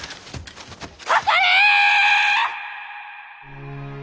かかれ！